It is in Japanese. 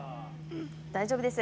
大丈夫です。